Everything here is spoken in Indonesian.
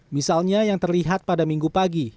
misalnya yang terlihat pada minggu pagi